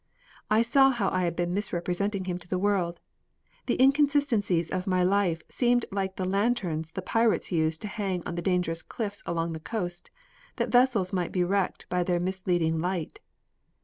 I saw how I had been misrepresenting him to the world. The inconsistencies of my life seemed like the lanterns the pirates used to hang on the dangerous cliffs along the coast, that vessels might be wrecked by their misleading light.